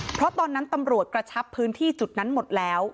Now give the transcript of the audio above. เพราะตอนนั้นตำรวจกระชับพื้นที่จุดนั้นหมดแล้ว